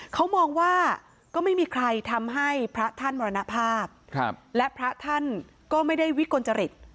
เขามองว่าก็ไม่มีใครทำให้พระท่านมรณภาพและพระท่านก็ไม่ได้วิกลจริต